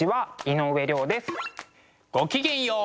ごきげんよう。